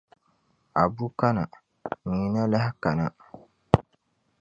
Abu kana, Neena lahi kana.